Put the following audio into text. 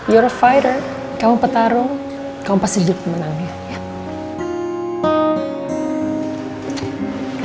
you're a fighter kamu petarung kamu pasti juga pemenang ya